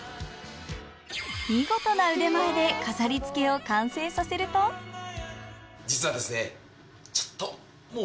見事な腕前で飾り付けを完成させると実はちょっと。